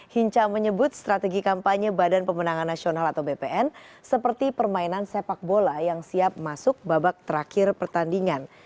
hinca menyebut strategi kampanye badan pemenangan nasional atau bpn seperti permainan sepak bola yang siap masuk babak terakhir pertandingan